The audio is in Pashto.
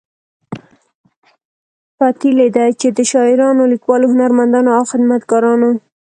پتیلې ده چې د شاعرانو، لیکوالو، هنرمندانو او خدمتګارانو